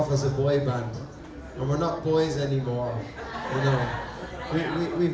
dan akhirnya kami mulai sebagai band kecil